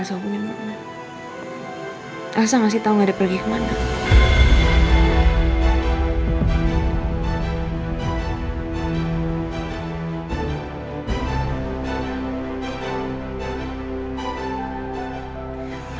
masa dopo saya melihat selama itu suggesteda belt challenged me to look for elsa